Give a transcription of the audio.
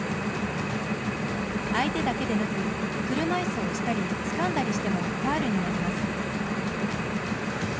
相手だけでなく、車いすを押したり、つかんだりしてもファウルになります。